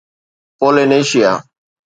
Polynesia